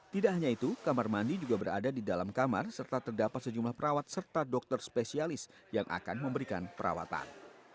tidak hanya itu kamar mandi juga berada di dalam kamar serta terdapat sejumlah perawat serta dokter spesialis yang akan memberikan perawatan